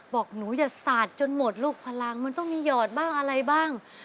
บอกหนูอย่าสาดจนหมดลูกพลังมันต้องมีหยอดบ้างอะไรบ้าง